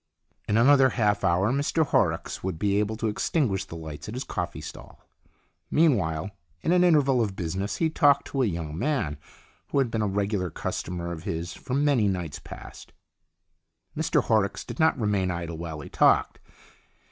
In another half hour Mr Horrocks would be able to extinguish the lights at his coffee stall. Meanwhile, in an interval of business, he talked to a young man who had been a regular customer of his for many nights past. Mr Horrocks did not remain idle while he talked.